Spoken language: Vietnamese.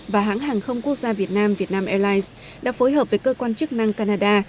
và hãng hàng không quốc gia việt nam vietnam airlines đã phối hợp với cơ quan chức năng canada